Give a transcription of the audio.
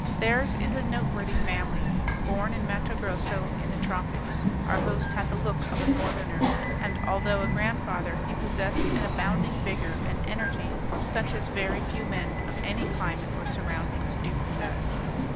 Theirs is a noteworthy family. Born in Matto Grosso, in the tropics, our host had the look of a northerner and, although a grandfather, he possessed an abounding vigor and energy such as very few men of any climate or surroundings do possess.